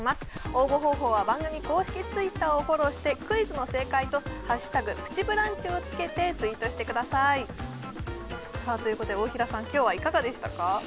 応募方法は番組公式Ｔｗｉｔｔｅｒをフォローしてクイズの正解と「＃プチブランチ」をつけてツイートしてくださいということで大平さん今日はいかがでしたか？